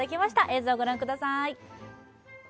映像ご覧ください